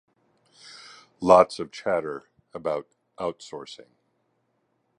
Lots of chatter about outsourcing.